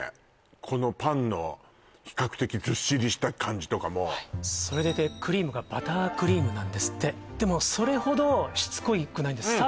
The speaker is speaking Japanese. このパンの比較的ずっしりした感じとかもそれでいてクリームがバタークリームなんですってでもそれほどしつこくないんですさ